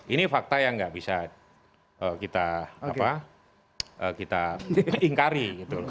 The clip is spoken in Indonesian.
ini fakta yang nggak bisa kita ingkari